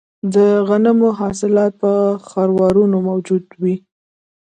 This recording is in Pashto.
د غنمو حاصلات په خروارونو موجود وي